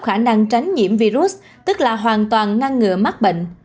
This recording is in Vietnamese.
khả năng tránh nhiễm virus tức là hoàn toàn ngăn ngừa mắc bệnh